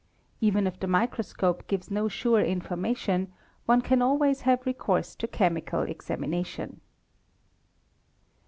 Even if the microscope gives no sure information, one can always have recourse to chemical examination.